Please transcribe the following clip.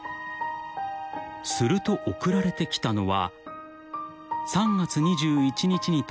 ［すると送られてきたのは］